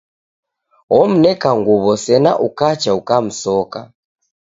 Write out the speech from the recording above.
Omneka nguw'o sena ukacha ukamsoka.